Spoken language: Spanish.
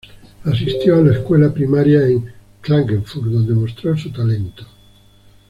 Asistió a la escuela primaria en Klagenfurt, donde mostró su talento.